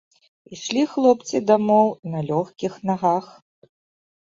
Ішлі хлопцы дамоў на лёгкіх нагах.